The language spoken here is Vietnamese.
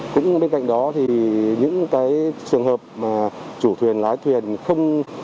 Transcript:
cũng bên cạnh đó thì những cái trường hợp mà chủ thuyền lái thuyền không